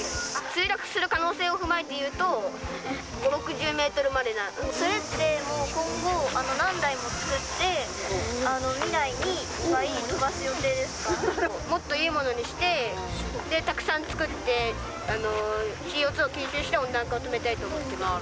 墜落する可能性を踏まえていうと、５、６０メートルぐらいまそれって、もう今後、何台も作って、もっといいものにして、たくさん作って、ＣＯ２を吸収して、温暖化を止めたいと思ってます。